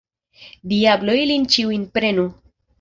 Diablo ilin ĉiujn prenu!